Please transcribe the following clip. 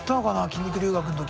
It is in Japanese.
筋肉留学の時。